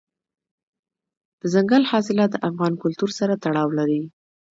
دځنګل حاصلات د افغان کلتور سره تړاو لري.